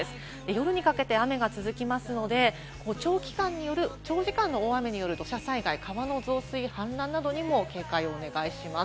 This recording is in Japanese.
夜にかけて雨が続くので、長時間の大雨による土砂災害、河川の増水や、氾濫などにも警戒をお願いします。